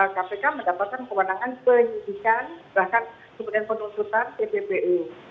kpk mendapatkan kewenangan penyelidikan bahkan sebutin penuntutan pppu